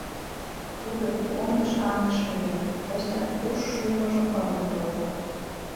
Тудо, Кундыш аҥыш миен, Костян куш шумыжым пален толжо.